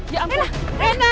ya ampun rena